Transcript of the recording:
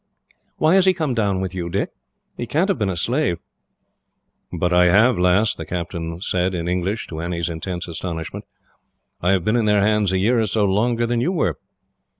Why has he come down with you, Dick? He can't have been a slave." "But I have, lass," the captain said, in English, to Annie's intense astonishment. "I have been in their hands a year or so longer than you were."